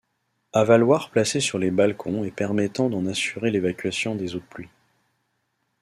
Avaloirs placés sur les balcons et permettant d'en assurer l'évacuation des eaux de pluie.